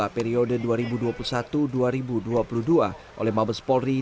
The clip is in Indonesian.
periode dua ribu dua puluh satu dua ribu dua puluh dua oleh mabes polri